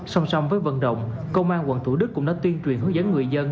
song song với vận động công an quận thủ đức cũng đã tuyên truyền hướng dẫn người dân